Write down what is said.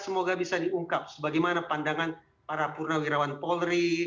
semoga bisa diungkap sebagaimana pandangan para purnawirawan polri